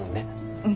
うん。